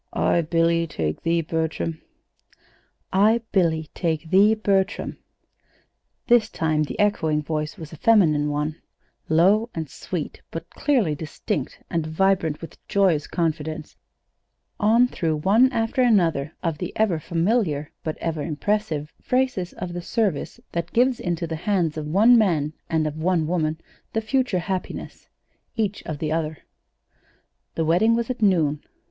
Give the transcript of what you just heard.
"I, Billy, take thee, Bertram." "'I, Billy, take thee, Bertram.'" This time the echoing voice was a feminine one, low and sweet, but clearly distinct, and vibrant with joyous confidence, on through one after another of the ever familiar, but ever impressive phrases of the service that gives into the hands of one man and of one woman the future happiness, each of the other. The wedding was at noon.